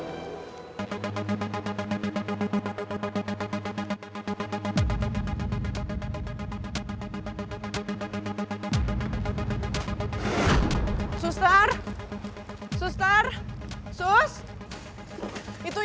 pasti itu pak